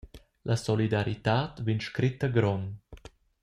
La solidaritad vegn scretta grond.